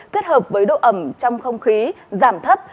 kết hợp với độ ẩm trong không khí giảm thấp